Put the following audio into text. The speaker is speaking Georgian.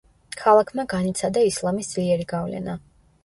ქალაქმა განიცადა ისლამის ძლიერი გავლენა.